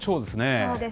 そうです。